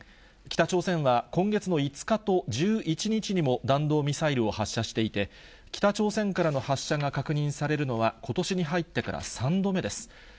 北朝鮮は今月の５日と１１日にも弾道ミサイルを発射していて、北朝鮮からの発射が確認されるのはことしに入ってから３度目です。